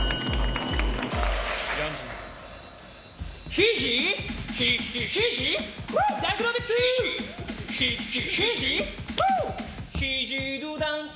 ヒジドゥダンス！